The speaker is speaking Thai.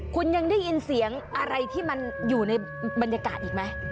คุณยังได้ยินเสียงอะไรที่มันอยู่ในบรรยากาศอีกไหม